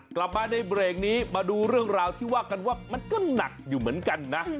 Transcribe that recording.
กลับมาในเบรกนี้มาดูเรื่องราวที่ว่ากันว่ามันก็หนักอยู่เหมือนกันนะ